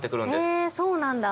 へえそうなんだ。